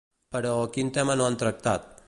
Però, quin tema no han tractat?